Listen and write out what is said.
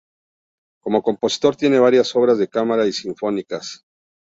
Como compositor tiene varias obras de cámara y sinfónicas.